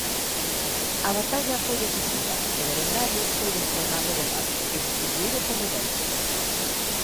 A batalla foi decisiva e Berengario foi destronado de facto e substituído por Rodolfo.